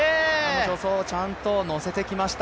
助走、ちゃんとのせてきました。